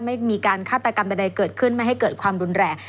ไม่มีการฆาตกรรมใดเกิดขึ้นไม่ให้เกิดความรุนแรง